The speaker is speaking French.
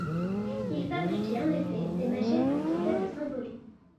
Il fabriquait en effet des machines pour tenter de s'envoler.